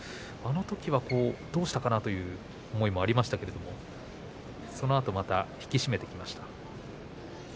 そのときはどうしたかなという思いもありましたけれども、そのあとまた引き締めてきました。